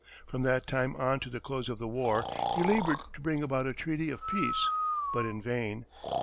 From that time on to the close of the war, he labored to bring about a treaty of peace, but in vain.